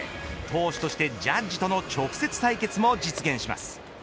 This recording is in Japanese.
投手として、ジャッジとの直接対決も実現します。